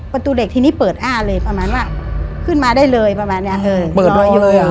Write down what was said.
ประตูเหล็กทีนี้เปิดอ้าเลยประมาณว่าขึ้นมาได้เลยประมาณเนี้ยเออ